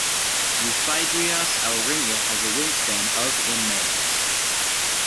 "Euphydryas aurinia" has a wingspan of in males.